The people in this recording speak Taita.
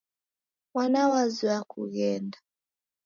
Mwana wazoya kughenda.